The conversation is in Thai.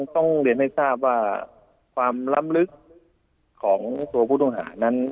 ต้องเรียนให้ทราบว่าความล้ำลึกของตัวผู้ต้องหานั้น